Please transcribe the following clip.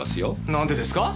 何でですか？